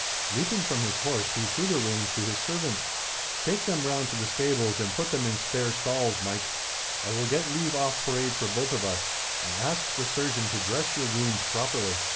Leaping from his horse, he threw the reins to his servant. "Take them both round to the stables, and put them in spare stalls, Mike. I will get leave off parade for both of us, and ask the surgeon to dress your wounds properly."